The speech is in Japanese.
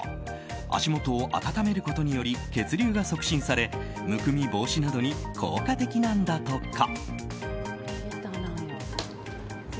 足元を温めることにより血流が促進されむくみ防止などに効果的なんだとか。